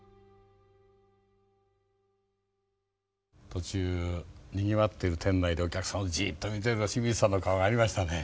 途中にぎわってる店内でお客さんをじっと見てる清水さんの顔がありましたね。